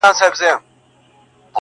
افتخار د پښتنو به قلندر عبدالرحمن وي,